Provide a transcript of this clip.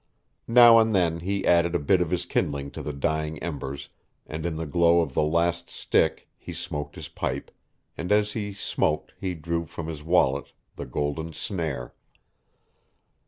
Now and then he added a bit of his kindling to the dying embers, and in the glow of the last stick he smoked his pipe, and as he smoked he drew from his wallet the golden snare.